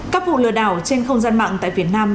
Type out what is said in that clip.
các vụ lừa đảo trên không gian mạng tại việt nam